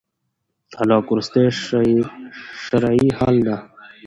طلاق وروستی شرعي حل دی